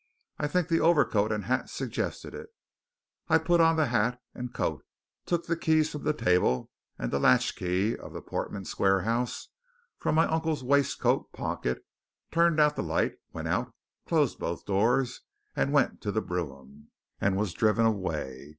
I think the overcoat and hat suggested it. I put on the hat and coat, took the keys from the table, and the latch key of the Portman Square house from my uncle's waistcoat pocket, turned out the light, went out, closed both doors, went to the brougham, and was driven away.